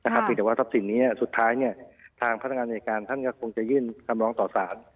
เพียงแต่ว่าทรัพย์สินนี้สุดท้ายทางพนักงานในการท่านก็คงจะยื่นคำร้องต่อสาร